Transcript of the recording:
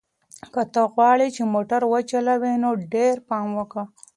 که ته غواړې چې موټر وچلوې نو ډېر پام کوه.